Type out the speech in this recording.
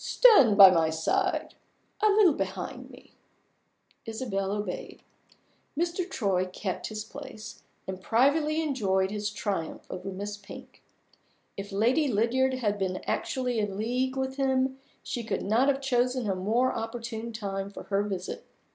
Stand by my side a little behind me." Isabel obeyed. Mr. Troy kept his place, and privately enjoyed his triumph over Miss Pink. If Lady Lydiard had been actually in league with him, she could not have chosen a more opportune time for her visit.